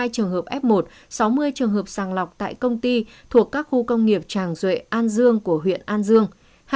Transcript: hai trăm một mươi hai trường hợp f một sáu mươi trường hợp sàng lọc tại công ty thuộc các khu công nghiệp tràng duệ an dương của huyện an dương